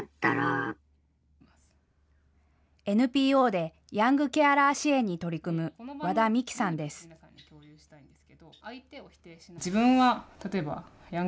ＮＰＯでヤングケアラー支援に取り組む和田果樹さんです。